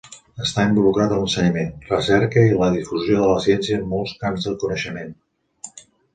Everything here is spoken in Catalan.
Està involucrat a l'ensenyament, recerca i la difusió de la ciència en molts camps de coneixement.